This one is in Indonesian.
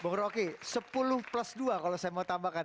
bung roky sepuluh plus dua kalau saya mau tambahkan